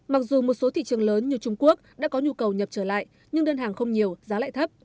mặc dù một số thị trường lớn như trung quốc đã có nhu cầu nhập trở lại nhưng đơn hàng không nhiều giá lại thấp